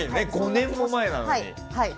５年も前なのに。